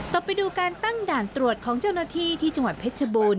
ไปดูการตั้งด่านตรวจของเจ้าหน้าที่ที่จังหวัดเพชรบูรณ